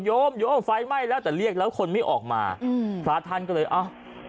โยมโยมไฟไหม้แล้วแต่เรียกแล้วคนไม่ออกมาอืมพระท่านก็เลยเอ้า